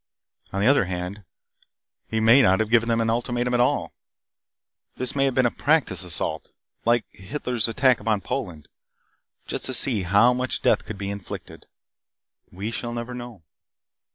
On the other hand, he may not have given them an ultimatum at all. This may have been a practice assault like Hitler's attack upon Poland, just to see how much death could be inflicted. We shall never know."